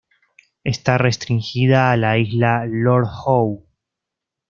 Está restringida a la isla Lord Howe.